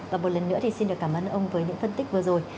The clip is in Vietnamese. và một lần nữa thì xin được cảm ơn ông với những phân tích vừa rồi